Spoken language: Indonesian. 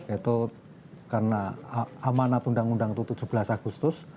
itu karena amanat undang undang itu tujuh belas agustus